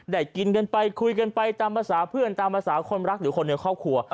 กินกันไปคุยกันไปตามภาษาเพื่อนตามภาษาคนรักหรือคนในครอบครัว